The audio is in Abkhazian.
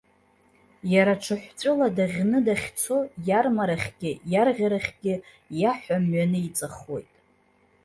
Иара ҽыҳәҵәыла даӷьны дахьцо иармарахьгьы, иарӷьарахьгьы иаҳәа мҩаниҵахуеит.